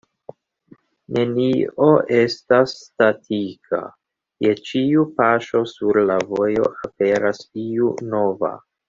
Nenio estas statika, je ĉiu paŝo sur la vojo aperas iu nova.